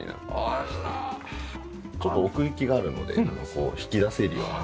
ちょっと奥行きがあるので引き出せるような。